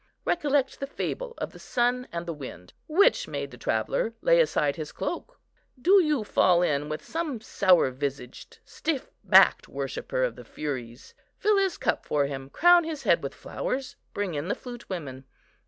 Recollect the fable of the sun and the wind; which made the traveller lay aside his cloak? Do you fall in with some sour visaged, stiff backed worshipper of the Furies? fill his cup for him, crown his head with flowers, bring in the flute women.